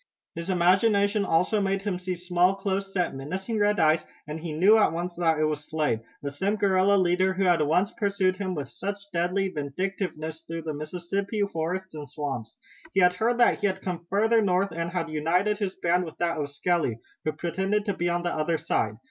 His imagination also made him see small, close set, menacing red eyes, and he knew at once that it was Slade, the same guerrilla leader who had once pursued him with such deadly vindictiveness through the Mississippi forest and swamps. He had heard that he had come farther north and had united his band with that of Skelly, who pretended to be on the other side.